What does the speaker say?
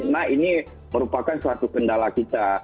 nah ini merupakan suatu kendala kita